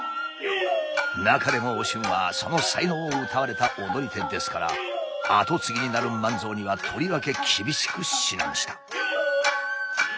中でもお俊はその才能をうたわれた踊り手ですから跡継ぎになる万蔵にはとりわけ厳しく指南した。